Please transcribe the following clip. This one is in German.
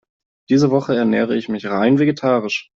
Diese Woche ernähre ich mich rein vegetarisch.